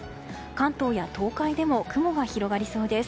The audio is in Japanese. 関東や東海でも雲が広がりそうです。